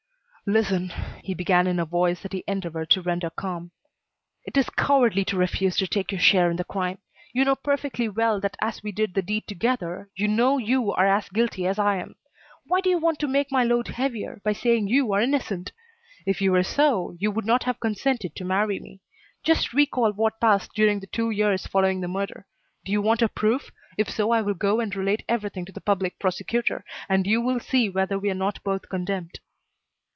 "Listen," he began in a voice that he endeavoured to render calm, "it is cowardly to refuse to take your share in the crime. You know perfectly well that as we did the deed together, you know you are as guilty as I am. Why do you want to make my load heavier, by saying you are innocent? If you were so, you would not have consented to marry me. Just recall what passed during the two years following the murder. Do you want a proof? If so I will go and relate everything to the Public Prosecutor, and you will see whether we are not both condemned."